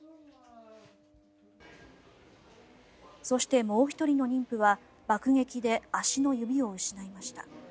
そしてもう１人の妊婦は爆撃で足の指を失いました。